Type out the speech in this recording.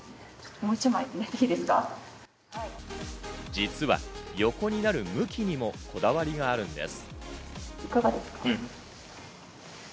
実は横になる向きにもこだわりがあるんです。